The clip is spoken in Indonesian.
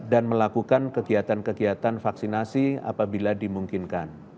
dan melakukan kegiatan kegiatan vaksinasi apabila dimungkinkan